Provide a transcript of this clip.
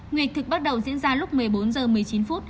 nguyệt thực bắt đầu diễn ra lúc một mươi bốn h một mươi chín phút